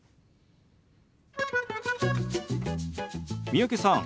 三宅さん